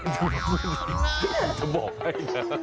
จะบอกให้นะ